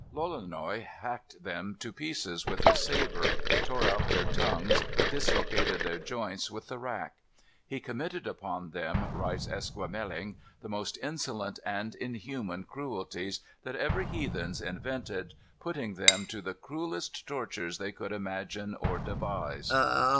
Lolonois hacked them to pieces with his sabre; tore out their tongues; dislocated their joints with the rack. He committed upon them, writes Esquemeling, "the most insolent and inhuman cruelties that ever heathens invented, putting them to the cruelest tortures they could imagine or devise.